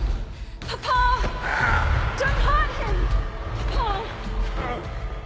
パパ！